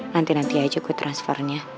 nanti nanti aja gue transfernya